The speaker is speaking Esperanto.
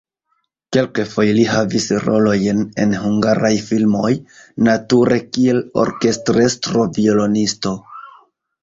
Kelkfoje li havis rolojn en hungaraj filmoj, nature kiel orkestrestro-violonisto.